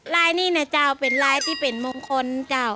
ลายนี้นะเจ้าเป็นลายที่เป็นมงคลเจ้า